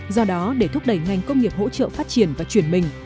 do đó để thúc đẩy ngành công nghiệp hỗ trợ phát triển và chuyển mình